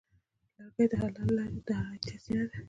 لرګی د حلالې لارې د عاید سرچینه ده.